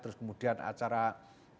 terus kemudian acara tingkepan atau nujubu